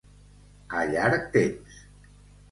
A llarg temps.